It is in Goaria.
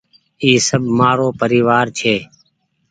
اي سب مآرو پريوآر ڇي ۔